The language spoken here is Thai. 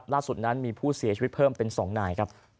ล่าสุดนั้นมีผู้เสียชีวิตเพิ่มเป็น๒นายครับ